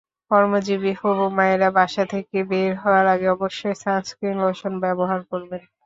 কর্মজীবী হবু মায়েরা বাসা থেকে বের হওয়ার আগে অবশ্যই সানস্ক্রিন লোশন ব্যবহার করবেন।